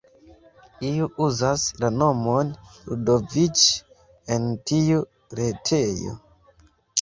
Iu uzas la nomon Ludoviĉ en tiu retejo.